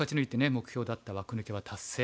目標だった枠抜けは達成。